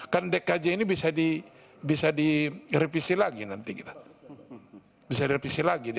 kan dkj ini bisa direvisi lagi nanti kita bisa direvisi lagi